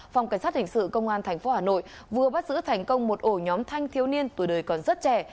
phòng cảnh sát hình sự công an tp hà nội vừa bắt giữ thành công một ổ nhóm thanh thiếu niên tuổi đời còn rất trẻ